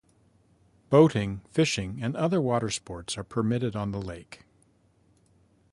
Boating, fishing and other water sports are permitted on the lake.